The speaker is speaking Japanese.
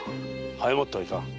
早まってはいかん。